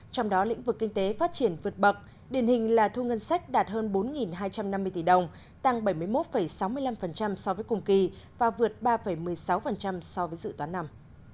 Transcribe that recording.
trong đó lĩnh vực kinh tế phát triển vượt bậc điển hình là thu ngân sách đạt hơn bốn hai trăm năm mươi tỷ đồng tăng bảy mươi một sáu mươi năm so với cùng kỳ và vượt ba một mươi sáu so với dự toán năm